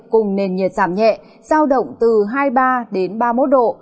cùng nền nhiệt giảm nhẹ giao động từ hai mươi ba đến ba mươi một độ